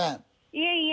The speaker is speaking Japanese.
いえいえ。